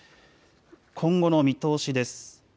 今後の見通しです。